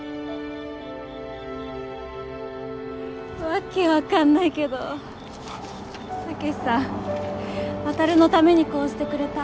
訳分かんないけどタケシさんワタルのためにこうしてくれた。